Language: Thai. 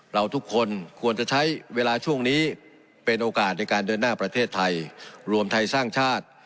เราทุกคนควรจะใช้เวลาช่วงนี้เป็นโอกาสในการเดินหน้าประเทศไทยรวมไทยสร้างชาติ